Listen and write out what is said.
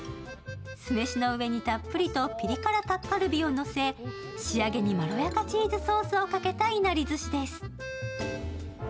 酢飯の上にたっぷりとピリ辛タッカルビをのせ仕上げにまろやかチーズソースをかけたいなりずしです。